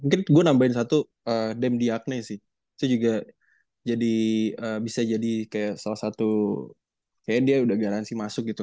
kayaknya dia udah garansi masuk gitu kan